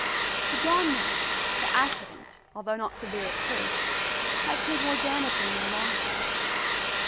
To John Marrot, the accident although not severe at first, had proved more damaging in the long run.